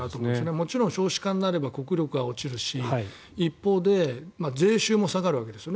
もちろん少子化になれば国力は落ちるし一方で税収も下がるわけですよね。